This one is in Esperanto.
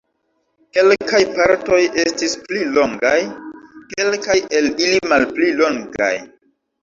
Kelkaj partoj estis pli longaj, kelkaj el ili malpli longaj.